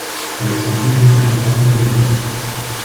Alexandrine erhielt eine umfassende Bildung.